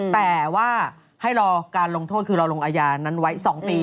แต่ว่าให้รอการลงโทษคือเราลงอาญานั้นไว้๒ปี